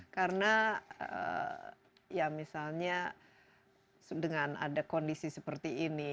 karena ya misalnya dengan ada kondisi seperti ini